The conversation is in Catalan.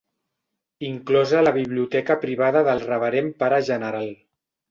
Inclosa la biblioteca privada del Reverend Pare General.